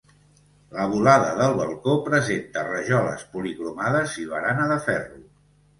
La volada del balcó presenta rajoles policromades i barana de ferro.